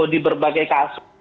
di berbagai kasus